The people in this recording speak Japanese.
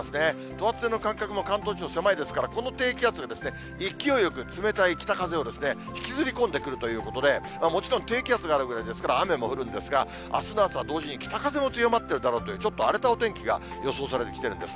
等圧線の間隔も関東地方、狭いですから、この低気圧が勢いよく冷たい北風を引きずり込んでくるということで、もちろん低気圧があるぐらいですから、雨も降るんですが、あすの朝同時に北風も強まってるだろうという、ちょっと荒れたお天気が予想されてきているんです。